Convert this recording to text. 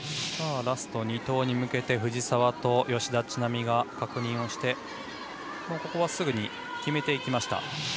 ラスト２投に向けて藤澤と吉田知那美が確認をして、ここはすぐに決めていきました。